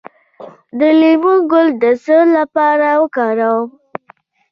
د لیمو ګل د څه لپاره وکاروم؟